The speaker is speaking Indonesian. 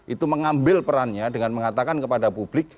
itu mengambil perannya dengan mengatakan kepada publik